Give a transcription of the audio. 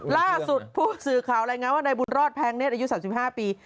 ล่าสุดพูดสื่อข่าวอะไรไงว่าในบุญรอดแพงเน็ตอายุ๓๕ปี